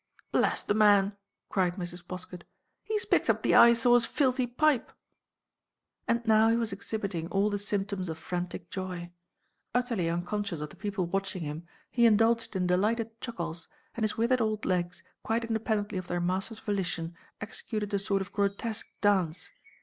"Bless the man!" cried Mrs. Poskett. "He 's picked up the Eyesore's filthy pipe!" And now he was exhibiting all the symptoms of frantic joy. Utterly unconscious of the people watching him, he indulged in delighted chuckles, and his withered old legs quite independently of their master's volition executed a sort of grotesque dance.